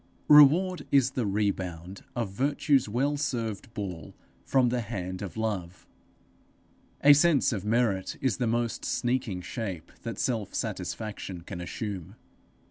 Reward is the rebound of Virtue's well served ball from the hand of Love; a sense of merit is the most sneaking shape that self satisfaction can assume.